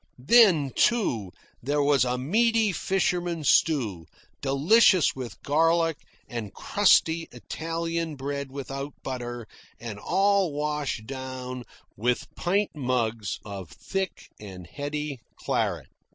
Then, too, there was a meaty fisherman's stew, delicious with garlic, and crusty Italian bread without butter, and all washed down with pint mugs of thick and heady claret.